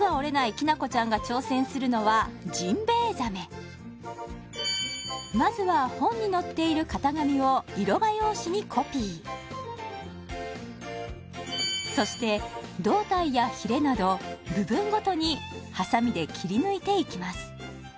きなこちゃんが挑戦するのはジンベエザメまずは本に載っている型紙を色画用紙にコピーそして胴体やひれなど部分ごとにハサミで切り抜いていきます